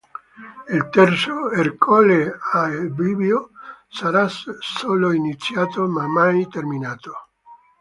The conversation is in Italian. Il terzo, “Ercole al bivio”, sarà solo iniziato, ma mai terminato.